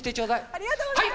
ありがとうございます。